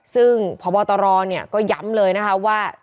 ซึ่งพบตรก็ย้ำเลยนะคะว่า